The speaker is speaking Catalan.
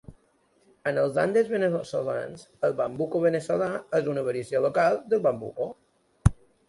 En els Andes veneçolans, el bambuco veneçolà és una variació local del bambuco.